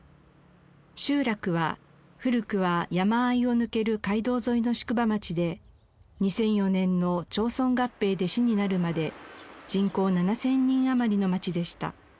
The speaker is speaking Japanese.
集落は古くは山あいを抜ける街道沿いの宿場町で２００４年の町村合併で市になるまで人口７千人余りの町でした。